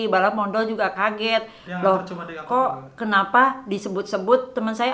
malah bondol juga kaget loh kok kenapa disebut sebut teman saya